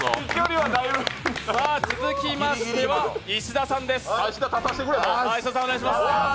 続きましては石田さんです。